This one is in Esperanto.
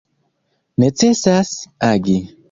Necesas agi.